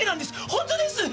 本当です！